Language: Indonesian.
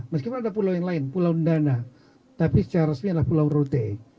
meskipun ada pulau yang lain pulau ndana tapi secara resmi adalah pulau rote